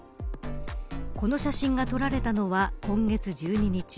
この写真が撮られたのは今月１２日。